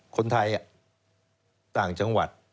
คนไทยต่างจังหวัด